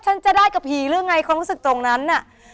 ฉันจะได้กับผีหรือไงความรู้สึกตรงนั้นน่ะ